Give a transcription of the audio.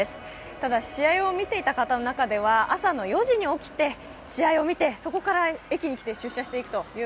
ただ、試合を見ていた方の中では朝の４時に起きて試合を見て、そこから駅に来て出社していくという